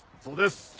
そうです。